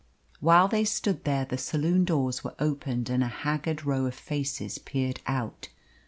While they stood there the saloon doors were opened and a haggard row of faces peered out.